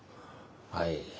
はい。